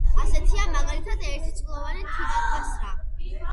ასეთია, მაგალითად ერთწლოვანი თივაქასრა.